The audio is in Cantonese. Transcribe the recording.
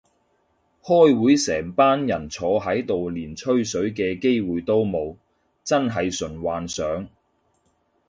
開會成班人坐喺度連水吹嘅機會都冇，真係純幻想